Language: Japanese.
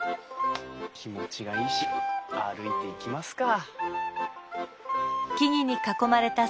気持ちがいいし歩いていきますか。